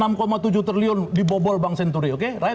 dulu zaman sby enam tujuh triliun dibobol bang senturi